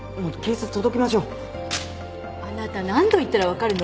あなた何度言ったら分かるの？